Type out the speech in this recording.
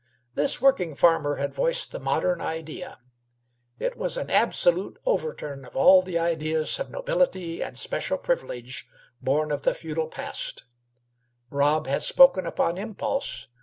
This working farmer had voiced the modern idea. It was an absolute overturn of all the ideas of nobility and special privilege born of the feudal past.